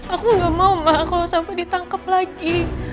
aku gak mau ma kalau sampai ditangkep lagi